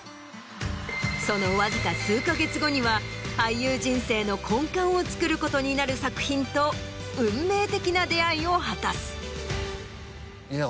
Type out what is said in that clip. そのわずか数か月後には俳優人生の根幹をつくることになる作品と運命的な出合いを果たす。